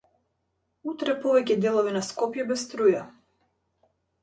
Утре повеќе делови на Скопје без струја